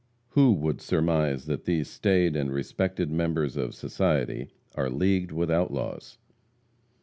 Who would surmise that these staid and respected members of society are leagued with outlaws?